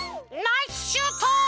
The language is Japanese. ナイスシュート！